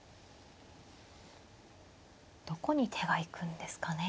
どこに手が行くんですかね。